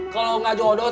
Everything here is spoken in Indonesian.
kalau nggak jodoh